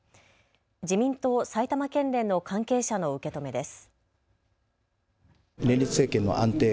自民党埼玉県連の関係者の受け止めです。